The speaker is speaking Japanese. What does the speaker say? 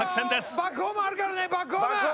バックホームあるからねバックホーム！